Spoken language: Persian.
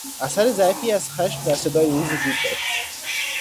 اثر ضعیفی از خشم در صدای او وجود داشت.